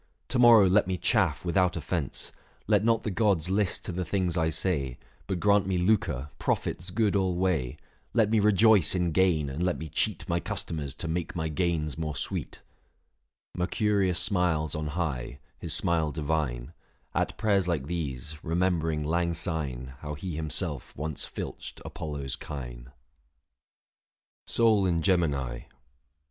To morrow let me chaff without offence ; Let not the gods list to the things I say ; But grant me lucre, profits good alway ; Let me rejoice in gain, and let me cheat My customers to make my gains more sweet." 760 765 770 775 780 785 Book V. THE FASTI. 169 Mercurius smiles on high, his smile divine, 790 At prayers like these, remembering lang syne How he himself once filched Apollo's kine. XIII. KAL. JUN. SOL IN GEMINI.